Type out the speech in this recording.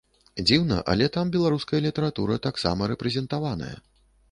Дзіўна, але там беларуская літаратура таксама рэпрэзентаваная.